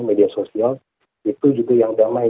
media sosial itu juga yang damai